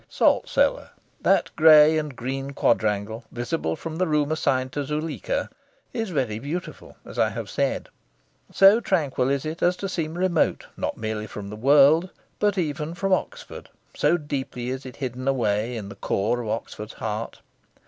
Salt Cellar, that grey and green quadrangle visible from the room assigned to Zuleika, is very beautiful, as I have said. So tranquil is it as to seem remote not merely from the world, but even from Oxford, so deeply is it hidden away in the core of Oxford's heart.